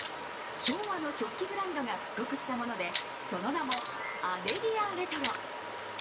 昭和の食器ブランドが復刻したもので、その名もアデリアレトロ。